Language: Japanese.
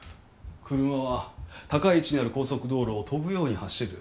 車は高い位置にある高速道路を飛ぶように走る。